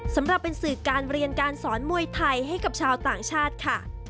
สำหรับเป็นสื่อการเรียนการสอนมวยไทยให้กับชาวต่างชาติค่ะ